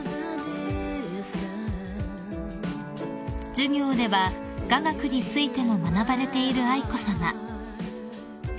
［授業では雅楽についても学ばれている愛子さま］